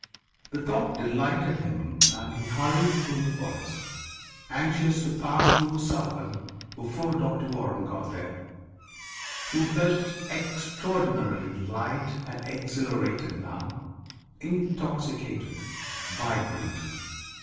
The thought delighted him and he hurried through the forest, anxious to pass through Salvan before Doctor Waram got there. He felt extraordinarily light and exhilarated now, intoxicated, vibrant.